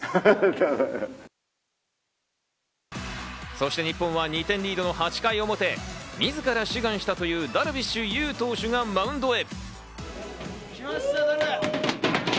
そして日本は２点リードの８回表、自ら志願したというダルビッシュ有投手がマウンドへ。